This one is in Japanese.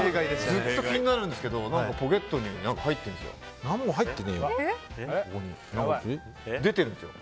ずっと気になるんですけどポケットに何か入ってるんですよ。